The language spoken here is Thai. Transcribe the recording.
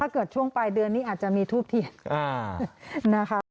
ถ้าเกิดช่วงปลายเดือนนี้อาจจะมีทูพเทียน